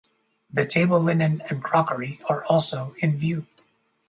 The table linen and crockery are also in view.